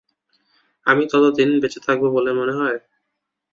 আমি ততদিন বেঁচে থাকবো বলে মনে হয়?